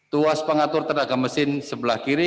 tuas pengatur tenaga mesin sebelah kiri